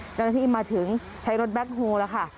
เจ้าหน้าที่มาถึงใช้รถแบ็คโฮลแล้วค่ะ